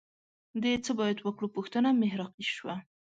د څه باید وکړو پوښتنه محراقي شوه